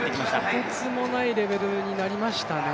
とてつもないレベルになりましたね。